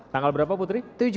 tanggal berapa putri